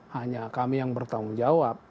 hanya kami yang bertanggung jawab